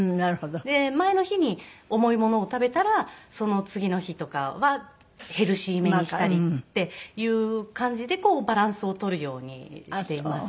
前の日に重いものを食べたらその次の日とかはヘルシーめにしたりっていう感じでバランスを取るようにしています。